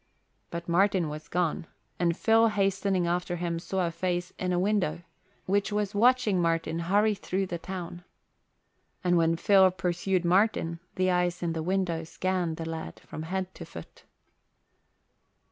But Martin was gone, and Phil hastening after him saw a face in a window, which was watching Martin hurry through the town. And when Phil pursued Martin the eyes in the window scanned the lad from head to foot.